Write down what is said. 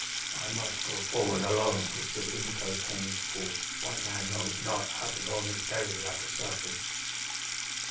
"I must go forward alone," whispered Unaco, turning to Paul. "White man knows not how to go on his belly like the serpent."